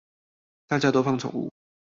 大家都放寵物